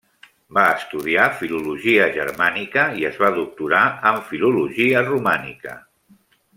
Va estudiar Filologia germànica i es va doctorar en Filologia romànica.